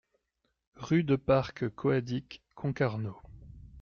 Rue de Parc C'hoadic, Concarneau